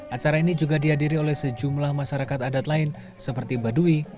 acara ini juga dihadiri oleh sejumlah masyarakat adat lain seperti baduy